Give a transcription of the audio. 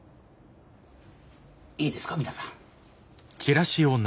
いいですか皆さん。